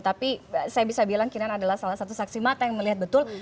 tapi saya bisa bilang kinan adalah salah satu saksi mata yang melihat betul